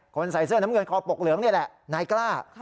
ใส่เสื้อน้ำเงินคอปกเหลืองนี่แหละนายกล้า